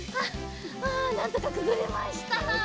あなんとかくぐれました。